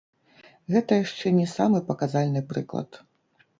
Гэта яшчэ не самы паказальны прыклад.